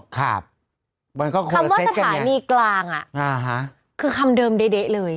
คำว่าสถานีกลางคือคำเดิมเด๊ะเลย